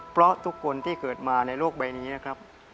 เพราะทุกคนที่เกิดมาในโลกใบนี้นะครับ